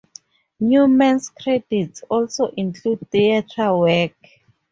Newman's credits also include theatre work.